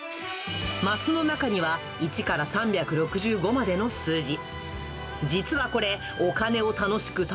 マスの中には、１から３６５までの数字。